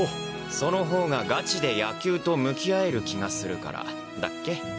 「その方がガチで野球と向き合える気がするから」だっけ。